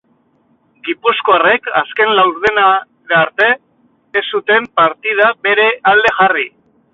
Gipuzkoarrek azken laurdenera arte ez zuten partida bere alde jarri.